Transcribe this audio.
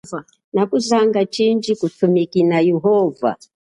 Nakuzanga chindji kutumikina yehova.